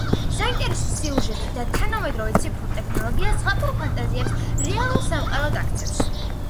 საინტერესო სიუჟეტი და თანამედროვე ციფრული ტექნოლოგია ზღაპრულ ფანტაზიებს რეალურ სამყაროდ აქცევს.